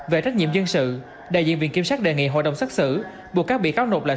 về trách nhiệm dân sự đại diện viện kiểm sát đề nghị hội đồng xác xử buộc các bị cáo nộp lại